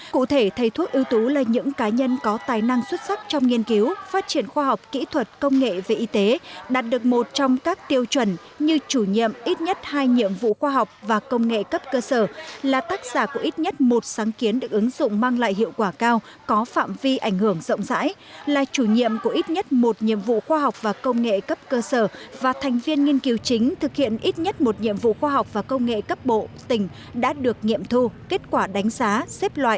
cụ thể thầy thuốc ưu tú là những cá nhân có tài năng xuất sắc trong nghiên cứu phát triển khoa học kỹ thuật công nghệ về y tế đạt được một trong các tiêu chuẩn như chủ nhiệm ít nhất hai nhiệm vụ khoa học và công nghệ cấp cơ sở là tác giả của ít nhất một sáng kiến được ứng dụng mang lại hiệu quả cao có phạm vi ảnh hưởng rộng rãi là chủ nhiệm của ít nhất một nhiệm vụ khoa học và công nghệ cấp cơ sở và thành viên nghiên cứu chính thực hiện ít nhất một nhiệm vụ khoa học và công nghệ cấp bộ tỉnh đã được nghiệm thu kết quả đánh giá